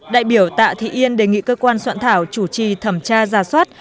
đại biểu tạ thị yên đề nghị cơ quan soạn thảo chủ trì thẩm tra ra soát